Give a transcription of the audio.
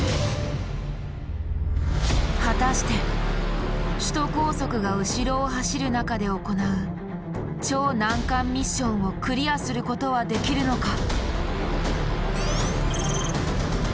果たして首都高速が後ろを走る中で行う超難関ミッションをクリアすることはできるのか。